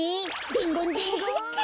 でんごんでんごん！